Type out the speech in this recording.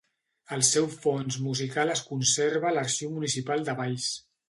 El seu fons musical es conserva a l'Arxiu Municipal de Valls.